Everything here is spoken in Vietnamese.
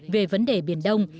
về vấn đề biển đông